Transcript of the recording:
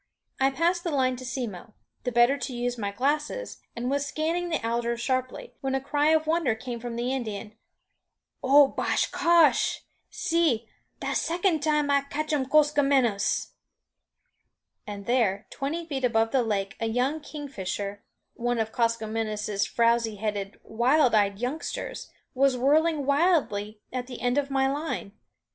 I passed the line to Simmo, the better to use my glasses, and was scanning the alders sharply, when a cry of wonder came from the Indian. "O bah cosh, see! das second time I catchum, Koskomenos." And there, twenty feet above the lake, a young kingfisher one of Koskomenos' frowzy headed, wild eyed youngsters was whirling wildly at the end of my line.